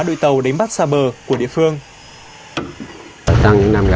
đội tàu đến bắc xa bờ của địa phương